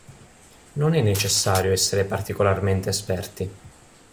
Non è necessario essere particolarmente esperti.